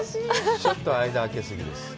ちょっと間、あけ過ぎです。